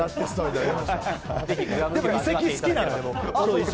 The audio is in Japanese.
でも遺跡好きなんで、僕。